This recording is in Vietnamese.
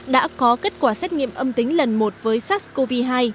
đã có kết quả xét nghiệm âm tính lần một với sars cov hai